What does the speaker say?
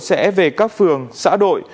sẽ về các phường xã đội